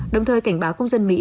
đồng thời cảnh báo công dân mỹ